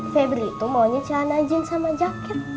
febri itu maunya celana jean sama jaket